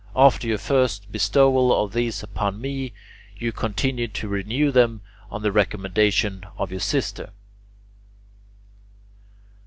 After your first bestowal of these upon me, you continued to renew them on the recommendation of your sister.